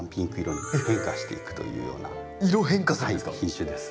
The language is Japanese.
品種です。